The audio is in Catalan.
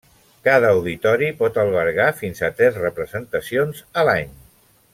Cada auditori pot albergar fins a tres representacions a l'any.